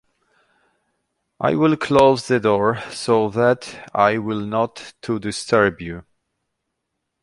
I will close the door so that I will not to disturb you.